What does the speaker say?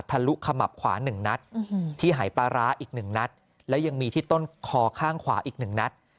ลุขมับขวา๑นัดที่หายปลาร้าอีกหนึ่งนัดและยังมีที่ต้นคอข้างขวาอีกหนึ่งนัด